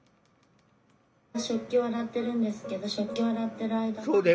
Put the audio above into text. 「食器を洗ってるんですけど食器を洗ってる間は」。